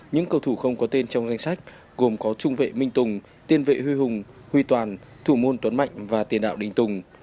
những cầu thủ không có tên trong danh sách gồm có trung vệ minh tùng tiên vệ huy hùng huy toàn thủ môn tuấn mạnh và tiền ảo đình tùng